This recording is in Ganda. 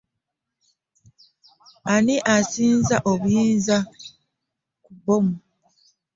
Ani asinza obuyinza ku bombi?